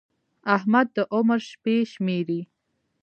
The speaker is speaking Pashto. احمد د عمر شپې شمېري.